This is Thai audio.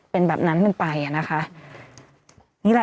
เป็นแบบนั้นเป็นไปนะคะ